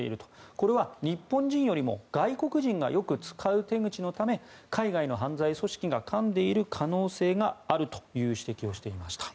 これは日本人よりも外国人がよく使う手口のため海外の犯罪組織がかんでいる可能性があるという指摘をしていました。